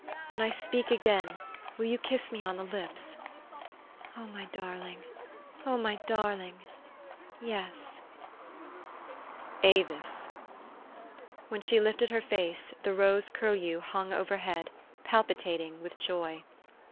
When I speak again, will you kiss me on the lips? "" Oh, my darling ! oh, my darling ! Yes." THE STORY OF AVIS. 441 "Aviat" When she lifted her face, the rose curlew hung overhead, palpitating with joy.